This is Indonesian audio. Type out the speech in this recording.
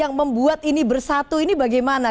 yang membuat ini bersatu ini bagaimana